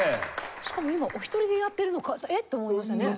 しかも今お一人でやってるのかえっ？と思いましたね。